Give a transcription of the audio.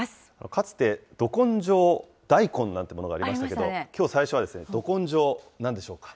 かつて、ど根性大根というものがありましたけれども、きょう最初は、ど根性、なんでしょうか。